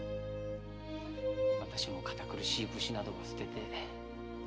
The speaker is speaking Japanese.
私も堅苦しい武士などを捨てて。